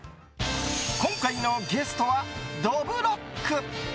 今回のゲストはどぶろっく。